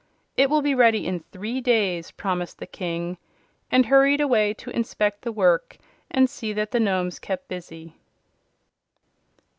"It will be ready in three days," promised the King, and hurried away to inspect the work and see that the Nomes kept busy.